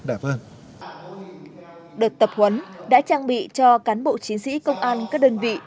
đợt tập huấn đã trang bị cho cán bộ chiến sĩ công an các đơn vị